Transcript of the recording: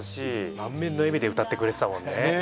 満面の笑みで歌ってくれてたもんね。